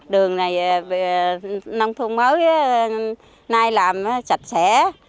đường này nông thôn mới nay làm sạch sẽ